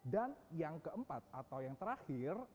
dan yang keempat atau yang terakhir